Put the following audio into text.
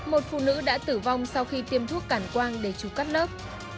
một phụ nữ đã tử vong sau khi tiêm thuốc cản quang để chụp cắt lớp